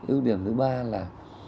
yêu điểm thứ ba là